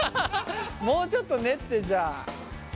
もうちょっと練ってじゃあ。